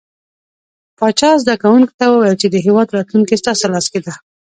پاچا زده کوونکو ته وويل چې د هيواد راتلونکې ستاسو لاس کې ده .